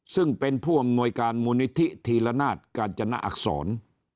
ซึ่งเป็นผู้อำนวยการมูลนิธิธีรนาศกาญจนอักษร